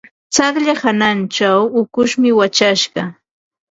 Tsaqlla hanachaw ukushmi wachashqa.